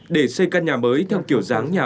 để xây căn nhà mới theo kiểu dáng nhà